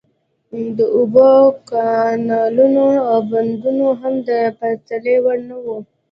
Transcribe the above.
د اوبو کانالونه او بندونه هم د پرتلې وړ نه وو.